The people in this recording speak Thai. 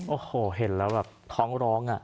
โอ้โหเห็นแล้วแบบท้องร้องอ่ะ